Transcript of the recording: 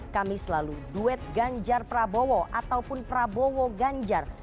kami selalu duet ganjar prabowo ataupun prabowo ganjar